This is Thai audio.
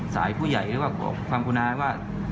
สายผู้ใหญ่หรือว่าบอกความคุณอาว่า